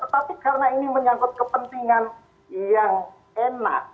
tetapi karena ini menyangkut kepentingan yang enak